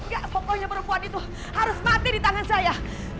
gak pokoknya perempuan itu harus mati di tangan saya